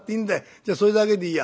じゃあそれだけでいいや。